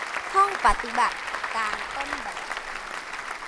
ห้องปฏิบัติการต้นแบบ